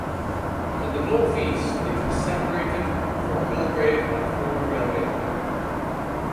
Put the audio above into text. To the northeast it is separated from Belgrave by former railway land.